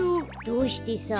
どうしてさ。